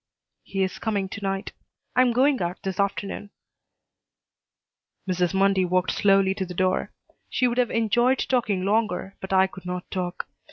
"He is coming to night. I am going out this afternoon." Mrs. Mundy walked slowly to the door. She would have enjoyed talking longer, but I could not talk.